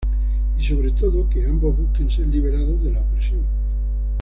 Y sobre todo que ambos busquen ser liberados de la opresión.